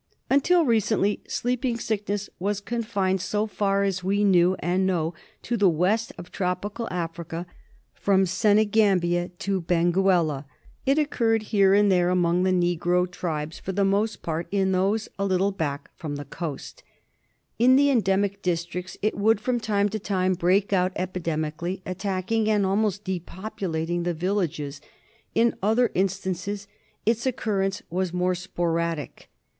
Until recently Sleeping Sickness was confined, so far as we knew and know, to the west of Tropical Africa, from Senegambia to Benguela. ■ It occurred here and there among the negro triSesTfor the most part in those H 2 Il6 THE SLEEPING SICKNESS. a little back from the coast. In the endemic districts it would from time to time break out epidemically, attacking and almost depopulating the villages ; in other instances its occurrence was more sporadic.